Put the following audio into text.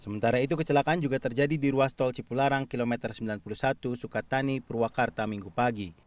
sementara itu kecelakaan juga terjadi di ruas tol cipularang kilometer sembilan puluh satu sukatani purwakarta minggu pagi